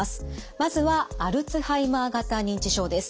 まずはアルツハイマー型認知症です。